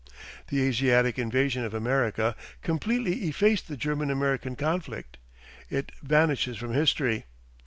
The Asiatic invasion of America completely effaced the German American conflict. It vanishes from history.